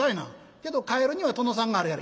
「けどカエルには殿さんがあるやろ」。